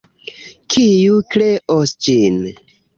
Kiu kreos ĝin?